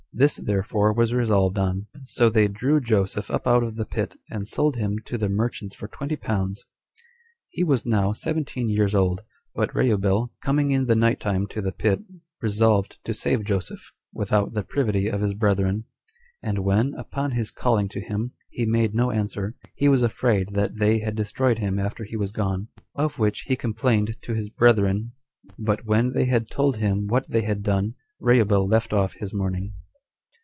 This, therefore, was resolved on; so they drew Joseph up out of the pit, and sold him to the merchants for twenty pounds 2 He was now seventeen years old. But Reubel, coming in the night time to the pit, resolved to save Joseph, without the privity of his brethren; and when, upon his calling to him, he made no answer, he was afraid that they had destroyed him after he was gone; of which he complained to his brethren; but when they had told him what they had done, Reubel left off his mourning.